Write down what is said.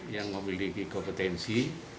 yang memiliki kompetensi